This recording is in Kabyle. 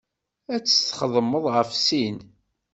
Ad tt-txedmeḍ ɣef sin.